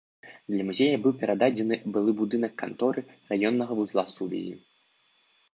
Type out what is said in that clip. Для музея быў перададзены былы будынак канторы раённага вузла сувязі.